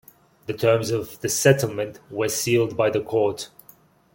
The terms of the settlement were sealed by the court.